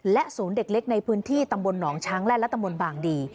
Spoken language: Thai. และสวนเด็กเล็กในพื้นที่ตำบลหนองช้างและตำบลบางดี